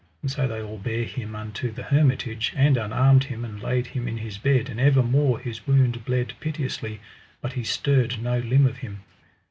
And so they all bare him unto the hermitage, and unarmed him, and laid him in his bed; and evermore his wound bled piteously, but he stirred no limb of him.